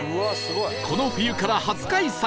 この冬から初開催